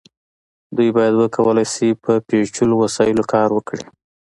دوی باید وکولی شي په پیچلو وسایلو کار وکړي.